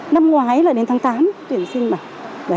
năm ngoái là đến tháng tám tuyển sinh mà